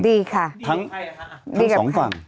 ดีค่ะดีกับใครอะคะดีกับใครทั้งสองฝั่ง